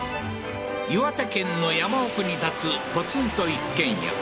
岩手県の山奥に建つポツンと一軒家